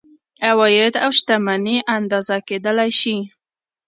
عواید او شتمني اندازه کیدلی شي.